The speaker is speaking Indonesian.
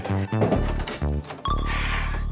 ibu mau manggil lagi